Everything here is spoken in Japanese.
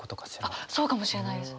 あっそうかもしれないです。